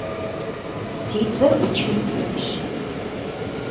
Si dzer 'uçın xuêyş.